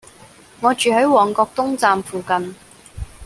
我住喺旺角東站附近